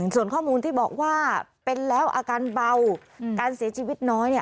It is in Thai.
ส่วนข้อมูลที่บอกว่าเป็นแล้วอาการเบาการเสียชีวิตน้อยเนี่ย